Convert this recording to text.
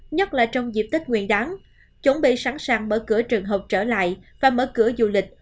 nhất là trong dịp tết nguyên đáng chuẩn bị sẵn sàng mở cửa trường học trở lại và mở cửa du lịch